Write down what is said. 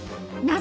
何？